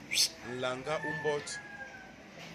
Nlañga u mbot.